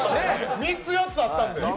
３つ４つあったんで。